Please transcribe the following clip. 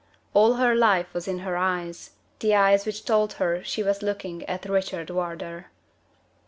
All her life was in her eyes the eyes which told her she was looking at Richard Wardour.